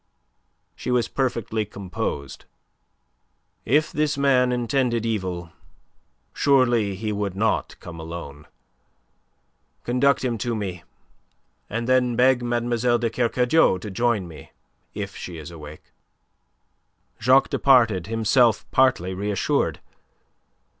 She was perfectly composed. "If this man intended evil, surely he would not come alone. Conduct him to me, and then beg Mlle. de Kercadiou to join me if she is awake." Jacques departed, himself partly reassured.